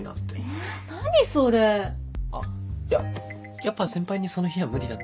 え何それ⁉あやっぱ先輩にその日は無理だって。